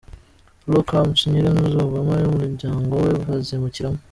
Lockhartm nyir'inzu Obama n'umuryango we bazimukiramo.